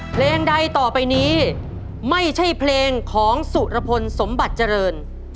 เพลงใดต่อไปนี้ไม่ใช่เพลงของสุรพลสมบัติเจริญ